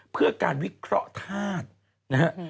เพื่อการวิเคราะห์ธาตุนะฮะ